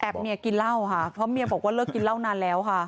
เมียกินเหล้าค่ะเพราะเมียบอกว่าเลิกกินเหล้านานแล้วค่ะ